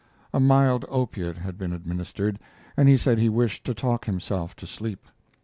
A mild opiate had been administered, and he said he wished to talk himself to sleep.